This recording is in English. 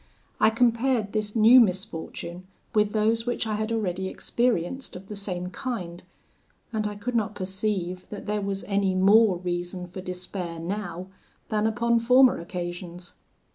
I compared this new misfortune with those which I had already experienced of the same kind, and I could not perceive that there was any more reason for despair now, than upon former occasions.